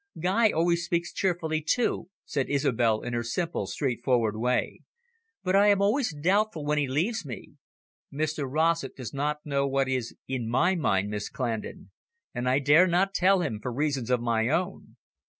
"Guy always speaks cheerfully too," said Isobel in her simple, straightforward way. "But I am always doubtful when he leaves me." "Mr Rossett does not know what is in my mind, Miss Clandon. And I dare not tell him, for reasons of my own.